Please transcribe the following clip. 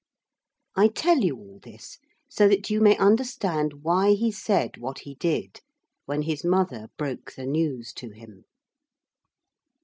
I tell you all this so that you may understand why he said what he did when his mother broke the news to him.